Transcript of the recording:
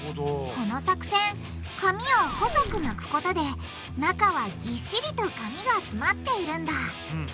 この作戦紙を細く巻くことで中はぎっしりと紙が詰まっているんだ。